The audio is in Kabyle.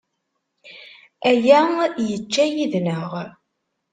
Aya yečča yid-neɣ.